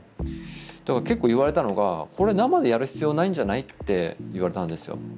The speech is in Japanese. だから結構言われたのが「これ生でやる必要ないんじゃない」って言われたんですよ。